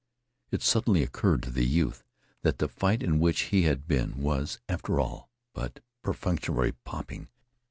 It suddenly occurred to the youth that the fight in which he had been was, after all, but perfunctory popping.